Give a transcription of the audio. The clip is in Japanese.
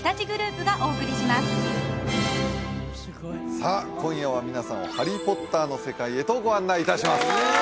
さあ今夜は皆さんを「ハリー・ポッター」の世界へとご案内いたしますうわ